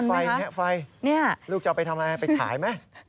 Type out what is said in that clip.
แงะไฟลูกจะไปทำอะไรไปขายไหม